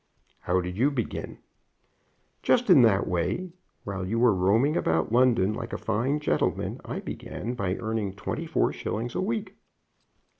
"How did you begin?" "Just in that way. While you were roaming about London like a fine gentleman I began by earning twenty four shillings a week."